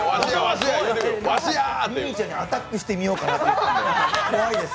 ミニーちゃんにアタックしてみようかなって怖いです。